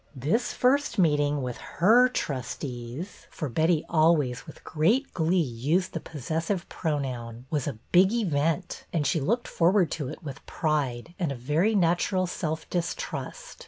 This first meeting with her trustees — for Betty always, with great glee, used the posses sive pronoun — was a big event, and she looked forward to it with pride and a very natural self distrust.